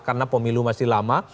karena pemilu masih lama